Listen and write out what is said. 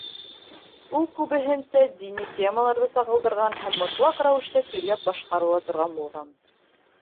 Ул күбеһенсә дини темаларҙы сағылдырған һәм мотлаҡ рәүештә көйләп башҡарыла торған булған.